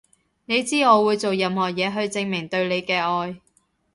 你知我會做任何嘢去證明對你嘅愛